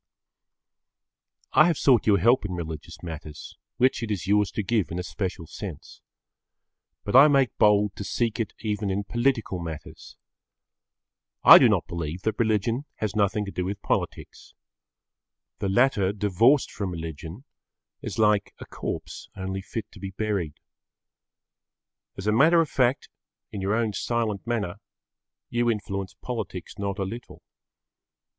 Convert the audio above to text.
I have sought your help in religious matters, which it is yours to give in a special sense. But I make bold to seek it even in political matters. I do not believe that religion has nothing to do with politics. The latter divorced from religion is like a corpse only fit to be buried. As a matter of fact, in your own silent manner, you influence politics not a little.